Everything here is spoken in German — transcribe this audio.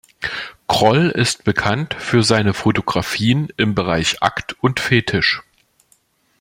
Kroll ist bekannt für seine Fotografien im Bereich Akt und Fetisch.